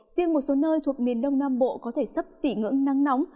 riêng một số nơi thuộc miền đông nam bộ có thể sấp xỉ ngưỡng nắng nóng